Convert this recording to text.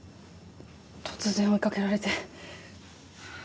突然追いかけられて。